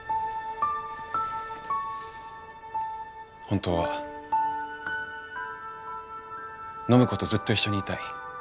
本当は暢子とずっと一緒にいたい。